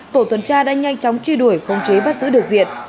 tổ tuần tra đã nhanh chóng truy đuổi không chế bắt giữ được diện